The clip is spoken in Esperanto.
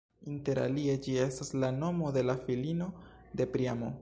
Interalie ĝi estas la nomo de la filino de Priamo.